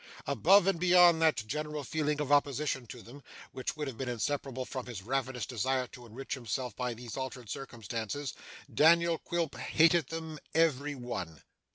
Above and beyond that general feeling of opposition to them, which would have been inseparable from his ravenous desire to enrich himself by these altered circumstances, Daniel Quilp hated them every one.